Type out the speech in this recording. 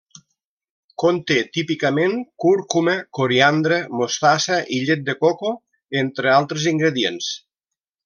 Conté típicament cúrcuma, coriandre, mostassa i llet de coco, entre altres ingredients.